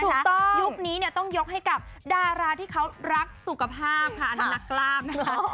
ถูกต้องยุคนี้เนี่ยต้องยกให้กับดาราที่เขารักสุขภาพค่ะนักราบนะคะ